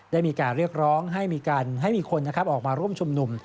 ได้มีการเรียกร้องให้มีการให้มีคนออกมาร่วมชุมนุม